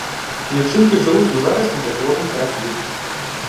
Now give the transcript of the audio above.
Лічынкі жывуць у зарасніках водных раслін.